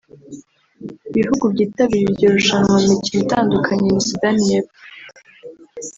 Ibihugu byitabiriye iryo rushanwa mu mikino itandukanye ni Sudan y’Epfo